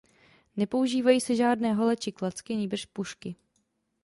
Nepoužívají se žádné hole či klacky, nýbrž pušky.